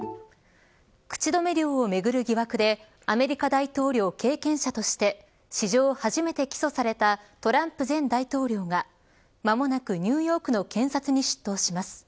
口止め料をめぐる疑惑でアメリカ大統領経験者として史上初めて起訴されたトランプ前大統領が間もなくニューヨークの検察に出頭します。